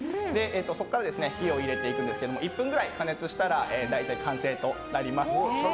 そこから火を入れていくんですが１分くらい加熱したら大体、完成となります。